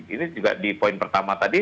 ini juga di poin pertama tadi